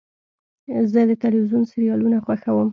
زه د تلویزیون سریالونه خوښوم.